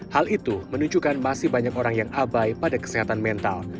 hal itu menunjukkan masih banyak orang yang abai pada kesehatan mental